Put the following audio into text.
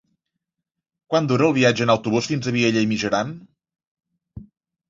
Quant dura el viatge en autobús fins a Vielha e Mijaran?